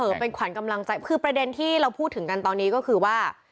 เป็นขวัญกำลังใจคือประเด็นที่เราพูดถึงกันตอนนี้ก็คือว่า